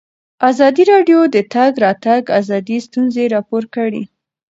ازادي راډیو د د تګ راتګ ازادي ستونزې راپور کړي.